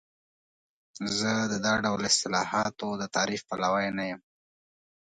زه د دا ډول اصطلاحاتو د تعریف پلوی نه یم.